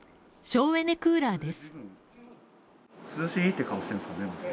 省エネクーラーです。